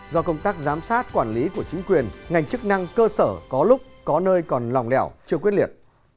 do công tác giám sát quản lý của chính quyền ngành chức năng cơ sở có lúc có nơi còn lòng lẻo chưa quyết liệt